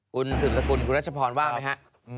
คุณสุดสกุลคุณรัชพรว่าไหมครับ